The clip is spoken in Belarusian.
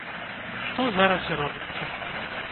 Што зараз і робіцца.